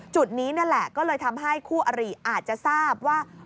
จุดนี้นั่นแหละก็เลยทำให้คู่อริอาจจะทราบว่า